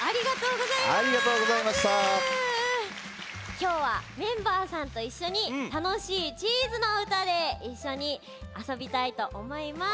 きょうはメンバーさんといっしょにたのしいチーズのうたでいっしょにあそびたいとおもいます。